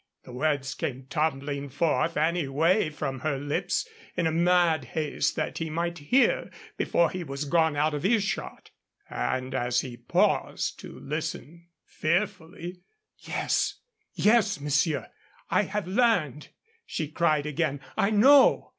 The words came tumbling forth any way from her lips in the mad haste that he might hear before he was gone out of earshot. And as he paused to listen, fearfully: "Yes, yes, monsieur, I have learned," she cried again. "I know.